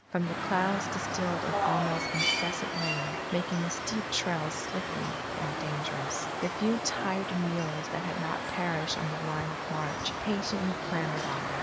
From the clouds distilled an almost incessant rain, making the steep trails slippery and dangerous. The few tired mules that had not perished on the line of march, patiently clambered on.